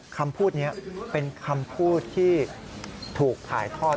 คำพูดนี้เป็นคำพูดที่ถูกถ่ายทอด